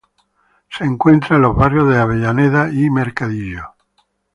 Se encuentra entre los barrios de Avellaneda y Mercadillo.